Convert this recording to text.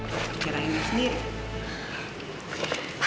kira kira ini sendiri